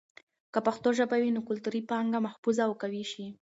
که پښتو ژبه وي، نو کلتوري پانګه محفوظ او قوي شي.